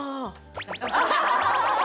ハハハハ！